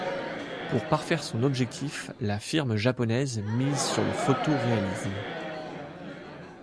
Pour parfaire son objectif, la firme japonaise mise sur le photoréalisme.